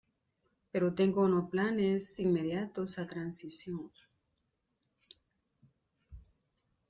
Pero tengo no planes inmediatos a transición.